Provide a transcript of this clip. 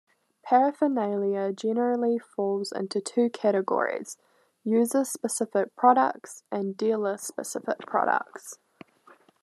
Paraphernalia generally falls into two categories: user-specific products and dealer-specific products.